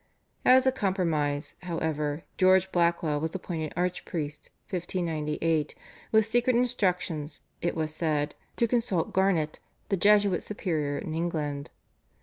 As a compromise, however, George Blackwell was appointed archpriest (1598) with secret instructions, it was said, to consult Garnet, the Jesuit superior in England.